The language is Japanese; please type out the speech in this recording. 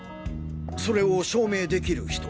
それを証明できる人は？